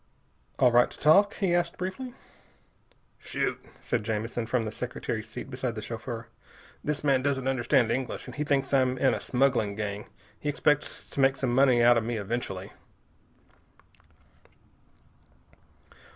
"All right to talk?" he asked briefly. "Shoot," said Jamison from the secretary's seat beside the chauffeur. "This man doesn't understand English, and he thinks I'm in a smuggling gang. He expects to make some money out of me eventually."